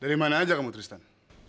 dari mana aja kamu tristan